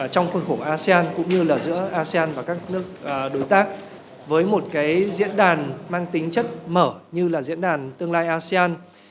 trong khu vực asean cũng như giữa asean và các nước đối tác với một diễn đàn mang tính chất mở như diễn đàn tương lai asean